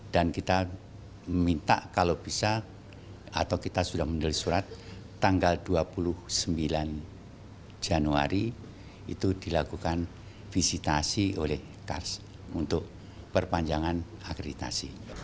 dan kita minta kalau bisa atau kita sudah menulis surat tanggal dua puluh sembilan januari itu dilakukan visitasi oleh kars untuk perpanjangan akreditasi